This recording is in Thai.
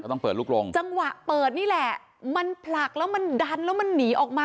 ต้องเปิดลูกลงจังหวะเปิดนี่แหละมันผลักแล้วมันดันแล้วมันหนีออกมา